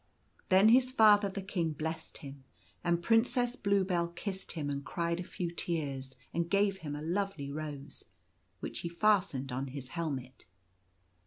Then his father, the King, blessed him, and Prin cess Bluebell kissed him and cried a few tears and gave him a lovely rose, which he fastened on his helmet.